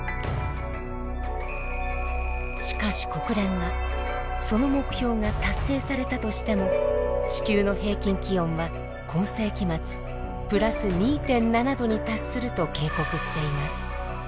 しかし国連はその目標が達成されたとしても地球の平均気温は今世紀末＋２．７℃に達すると警告しています。